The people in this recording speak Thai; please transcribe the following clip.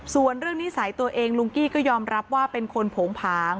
ส่วนเรื่องนิสัยตัวเองลุงกี้ก็ยอมรับว่าเป็นคนโผงผาง